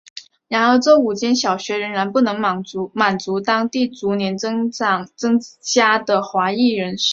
然而这五间小学仍然不能满足当地逐年增加的华裔人口。